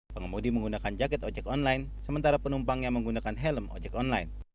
pengemudi menggunakan jaket ojek online sementara penumpang yang menggunakan helm ojek online